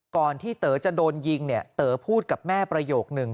ก่อนที่เต๋อจะโดนยิงเนี่ยเต๋อพูดกับแม่ประโยคนึง